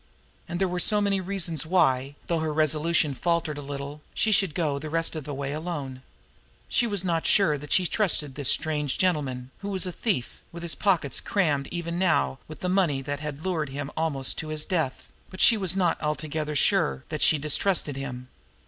And there were so many reasons why, though her resolution faltered a little, she should go the rest of the way alone. She was not sure that she trusted this strange "gentleman," who was a thief with his pockets crammed even now with the money that had lured him almost to his death; but, too, she was not altogether sure that she distrusted him.